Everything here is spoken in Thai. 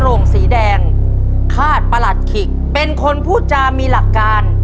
โรงสีแดงคาดประหลัดขิกเป็นคนพูดจามีหลักการ